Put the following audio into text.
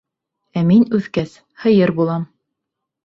— Ә мин, үҫкәс, һыйыр булам.